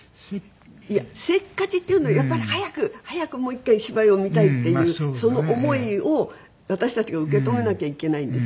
いやせっかちっていうのよりやっぱり早く早くもう１回芝居を見たいっていうその思いを私たちが受け止めなきゃいけないんですけど。